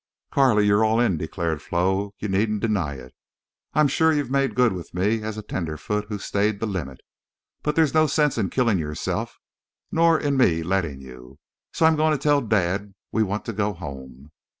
"Carley, you're all in," declared Flo. "You needn't deny it. I'm shore you've made good with me as a tenderfoot who stayed the limit. But there's no sense in your killing yourself, nor in me letting you. So I'm going to tell dad we want to go home."